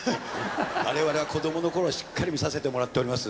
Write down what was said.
我々は子どものころしっかり見させてもらっております。